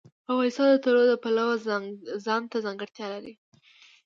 افغانستان د تنوع د پلوه ځانته ځانګړتیا لري.